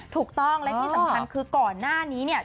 ถูกต้องและที่สำคัญคือก่อนหน้านี้เนี่ย